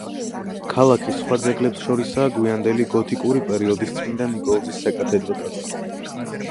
ქალაქის სხვა ძეგლებს შორისაა გვიანდელი გოთიკური პერიოდის წმინდა ნიკოლოზის საკათედრო ტაძარი.